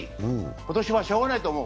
今年はしようがないと思う。